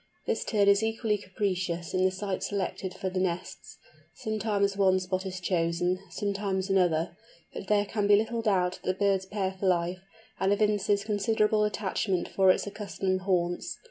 This Tern is equally capricious in the site selected for the nests; sometimes one spot is chosen, sometimes another; but there can be little doubt that the bird pairs for life, and evinces considerable attachment for its accustomed haunts.